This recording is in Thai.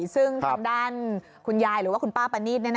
ซึ่งทางด้านคุณยายหรือว่าคุณป้าประนีต